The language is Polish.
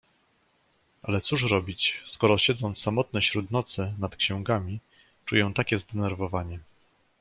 "Ale cóż robić, skoro, siedząc samotny śród nocy nad księgami, czuję takie zdenerwowanie."